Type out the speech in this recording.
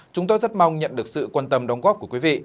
chúng tôi rất mong nhận được sự quan tâm đóng góp của quý vị